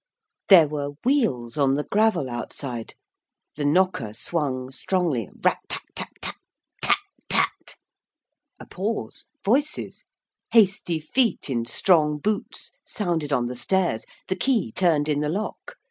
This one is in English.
There were wheels on the gravel outside the knocker swung strongly 'Rat tat tat tat Tat! Tat!' A pause voices hasty feet in strong boots sounded on the stairs, the key turned in the lock.